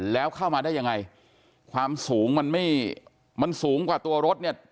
แล้วเข้ามาได้ยังไงความสูงมันไม่มันสูงกว่าตัวรถเนี่ย